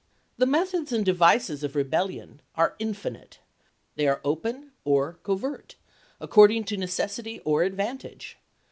The meth ods and devices of rebellion are infinite. They are open or covert, according to necessity or advantage.